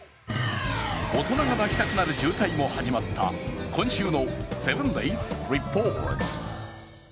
大人が泣きたくなる渋滞も始まった今週の「７ｄａｙｓリポート」。